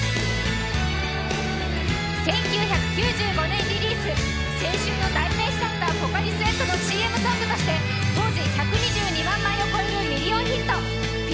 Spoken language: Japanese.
１９９５年リリース、青春の代名詞だったポカリスエットのＣＭソングとして当時１２２万枚を超えるミリオンヒット。